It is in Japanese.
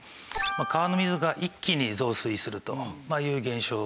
川の水が一気に増水するという現象ですね。